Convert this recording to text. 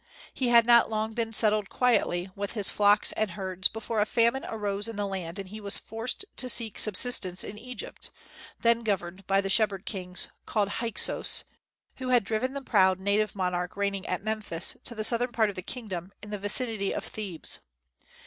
He had not long been settled quietly with his flocks and herds before a famine arose in the land, and he was forced to seek subsistence in Egypt, then governed by the shepherd kings called Hyksos, who had driven the proud native monarch reigning at Memphis to the southern part of the kingdom, in the vicinity of Thebes.